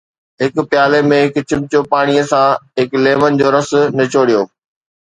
هڪ پيالي ۾ هڪ چمچو پاڻي سان هڪ ليمن جو رس نچوڙيو